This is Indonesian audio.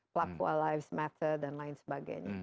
pelaku lives matter dan lain sebagainya